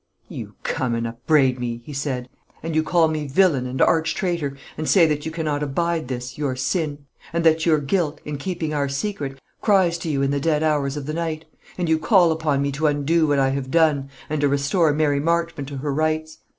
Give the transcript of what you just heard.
"You come and upbraid me," he said, "and you call me villain and arch traitor, and say that you cannot abide this, your sin; and that your guilt, in keeping our secret, cries to you in the dead hours of the night; and you call upon me to undo what I have done, and to restore Mary Marchmont to her rights.